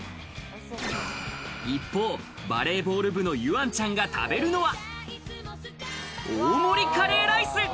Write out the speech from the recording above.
一方、バレーボール部の桜音ちゃんが食べるのは大盛りカレーライス。